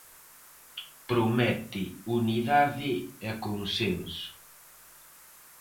Promete unidade e consenso.